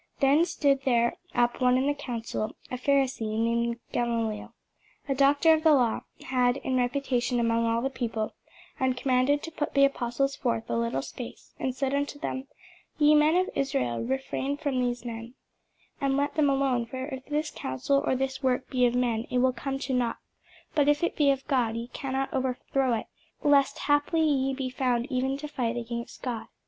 Then stood there up one in the council, a Pharisee, named Gamaliel, a doctor of the law, had in reputation among all the people, and commanded to put the apostles forth a little space; and said unto them, Ye men of Israel, refrain from these men, and let them alone: for if this counsel or this work be of men, it will come to nought: but if it be of God, ye cannot overthrow it; lest haply ye be found even to fight against God.